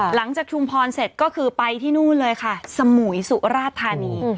ชุมพรเสร็จก็คือไปที่นู่นเลยค่ะสมุยสุราธานี